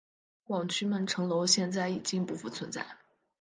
广渠门城楼现在已经不复存在。